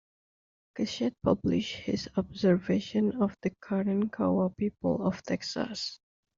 Gatschet published his observations of the Karankawa people of Texas.